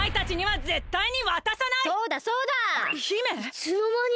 いつのまに？